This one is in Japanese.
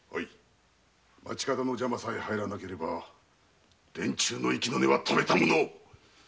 町方の邪魔さえ入らなければ連中の息の根はとめたはず